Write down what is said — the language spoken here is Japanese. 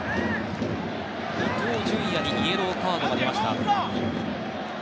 伊東純也にイエローカードが出ました。